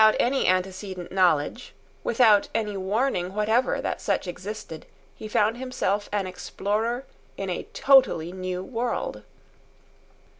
Without any antecedent knowledge, without any warning whatever that such existed, he found himself an explorer in a totally new world.